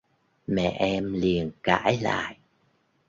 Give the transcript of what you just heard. Mẹ em liền cãi lại